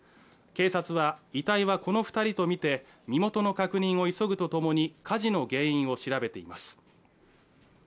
警察は、遺体はこの２人とみて身元の確認を急ぐと共に火事の原因を調べています。